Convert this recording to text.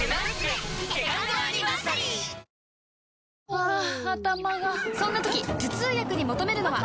ハァ頭がそんな時頭痛薬に求めるのは？